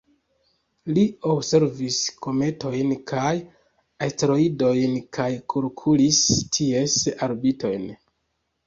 Li observis kometojn kaj asteroidojn kaj kalkulis ties orbitojn.